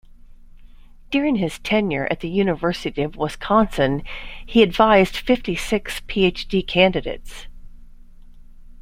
During his tenure at the University of Wisconsin, he advised fifty six Ph.D. candidates.